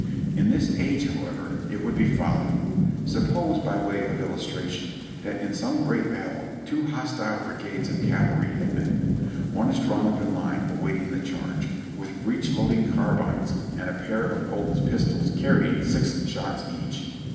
In this age, however, it would be folly. Suppose, by way of illustration, that in some great battle two hostile brigades of cavalry had met ; one is drawn up in line awaiting tlie charge, with breech loading carbines and a THE BLACK HORSE CAVALRY 423 pair of Colt's pistols carrying six shots each.